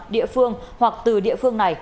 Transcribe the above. địa phương hoặc từ địa phương này